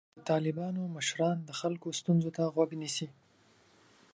د طالبانو مشران د خلکو ستونزو ته غوږ نیسي.